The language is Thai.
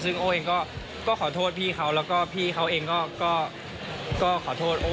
ซึ่งโอ้เองก็ขอโทษพี่เขาแล้วก็พี่เขาเองก็ขอโทษโอ้